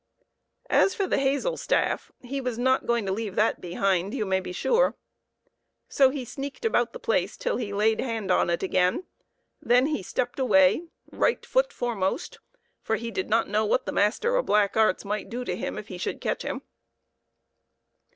As for the hazel staff, he was not going to leave that behind, you may be sure. So he sneaked about the place till he laid hand on it again ; then he stepped away, right foot fore most, for he did not know what the master of black arts might do to him if he should catch him.